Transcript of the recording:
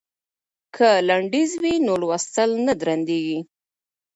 که لنډیز وي نو لوستل نه درندیږي.